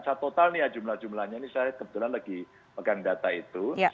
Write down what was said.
saya total nih ya jumlah jumlahnya ini saya kebetulan lagi pegang data itu